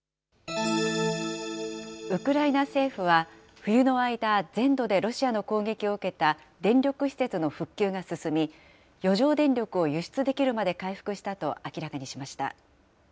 ウクライナ政府は冬の間、全土でロシアの攻撃を受けた電力施設の復旧が進み、余剰電力を輸出できるまで回復したと明らかにしました。